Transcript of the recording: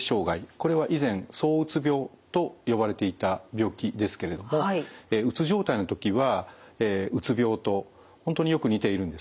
これは以前そううつ病と呼ばれていた病気ですけれどもうつ状態の時はうつ病と本当によく似ているんですね。